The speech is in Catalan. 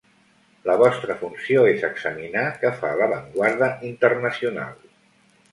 La vostra funció és examinar què fa l'avantguarda internacional.